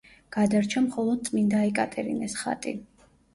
გადარჩა მხოლოდ წმინდა ეკატერინეს ხატი.